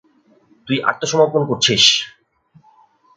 তুই আত্মসমর্পণ করছিস!